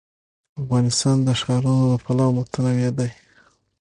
افغانستان د ښارونه له پلوه متنوع دی.